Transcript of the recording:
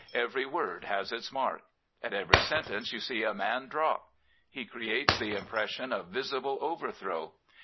Every word has its mark. At every sentence you see a man drop. He creates the impression of visible overthrow.